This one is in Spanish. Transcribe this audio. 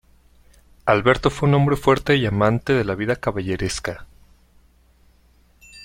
Alberto fue un hombre fuerte y amante de la vida caballeresca.